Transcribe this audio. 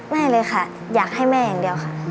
ได้เลยค่ะอยากให้แม่อย่างเดียวค่ะ